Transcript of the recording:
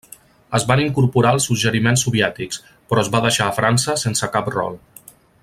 Es van incorporar els suggeriments soviètics, però es va deixar a França sense cap rol.